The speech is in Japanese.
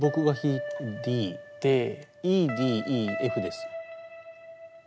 ＥＤＥＦです。